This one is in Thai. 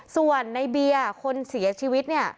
ส่วนในเบียร์คนเสียชีวิตเนี่ย